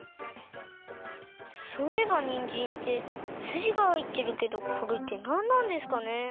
そういえばにんじんってすじがはいってるけどこれってなんなんですかね？